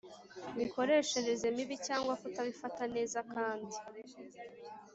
Mikoreshereze mibi cyangwa kutabifata neza kandi